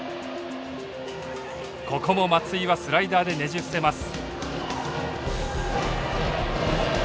ここも松井はスライダーでねじ伏せます。